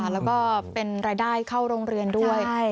แล้วก็เป็นรายได้เข้าโรงเรียนด้วย